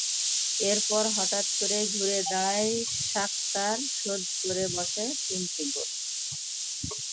এরপর হঠাৎ করেই ঘুরে দাঁড়ায় শাখতার, শোধ করে বসে তিনটি গোল।